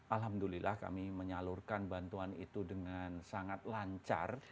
alhamdulillah kami menyalurkan bantuan itu dengan sangat lancar